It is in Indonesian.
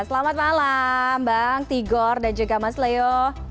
selamat malam bang tigor dan juga mas leo